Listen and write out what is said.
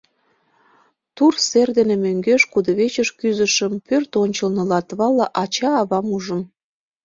Тура сер дене мӧҥгеш кудывечыш кӱзышым, пӧрт ончылно Латвала ача-авам ужым.